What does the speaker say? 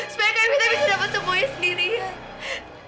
supaya kayak evita bisa dapat semuanya sendirian